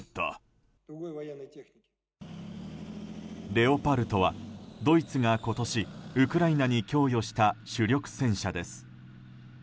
レオパルトは、ドイツが今年ウクライナに供与した主力戦車です。